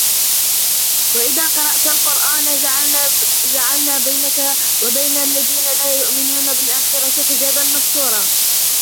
وإذا قرأت القرآن جعلنا بينك وبين الذين لا يؤمنون بالآخرة حجابا مستورا